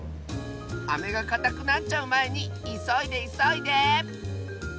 アメがかたくなっちゃうまえにいそいでいそいで！